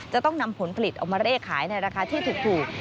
จะต้องนำผลผลิตออกมาเลขขายในราคาที่ถูก